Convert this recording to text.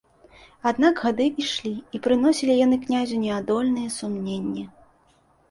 Аднак гады ішлі, і прыносілі яны князю неадольныя сумненні.